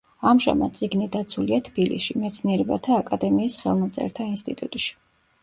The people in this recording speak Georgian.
ამჟამად წიგნი დაცულია თბილისში, მეცნიერებათა აკადემიის ხელნაწერთა ინსტიტუტში.